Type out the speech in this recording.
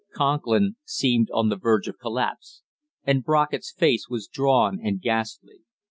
Conklin seemed on the verge of collapse, and Brockett's face was drawn and ghastly.